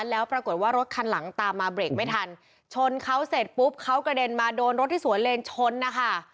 แล้วปรากฏว่ารถคันหลังตามมาเบรกไม่ทันชนเขาเสร็จปุ๊บเขากระเด็นมาโดนรถที่สวนเลนชนนะคะ